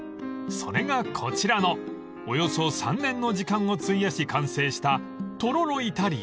［それがこちらの約３年の時間を費やし完成した］